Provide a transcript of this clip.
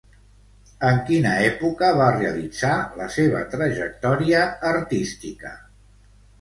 En quina època va realitzar la seva trajectòria artística?